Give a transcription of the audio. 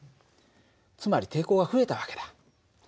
つまり抵抗が増えた訳だ。